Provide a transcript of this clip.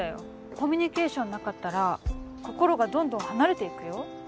コミュニケーションなかったら心がどんどん離れていくよ